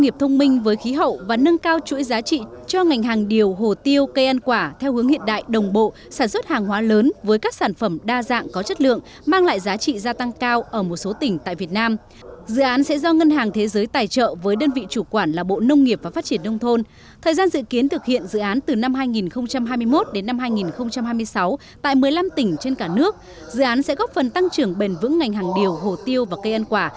phát triển bền vững ngành hàng điều hồ tiêu cây ăn quả